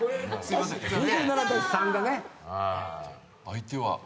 相手は。